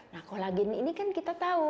nah kolagen ini kan kita tahu